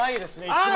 １枚。